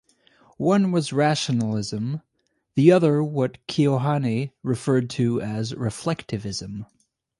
One was "rationalism", the other what Keohane referred to as "reflectivism".